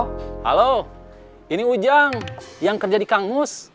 halo ini ujang yang kerja di kang mus